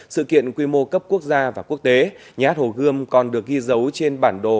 sự kiện quy mô cấp quốc gia và quốc tế nhà hát hồ gươm còn được ghi dấu trên bản đồ